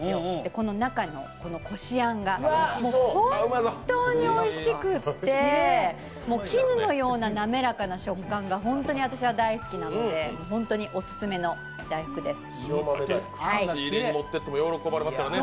この中のこしあんがもう、ほんっとうにおいしくて絹のような滑らかな食感が本当に私は大好きなので本当にオススメの大福です。